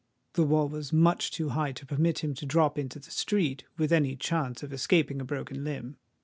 The wall was much too high to permit him to drop into the street with any chance of escaping a broken limb.